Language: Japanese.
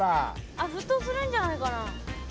あっ沸騰するんじゃないかな？